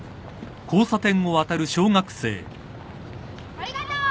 ありがとう！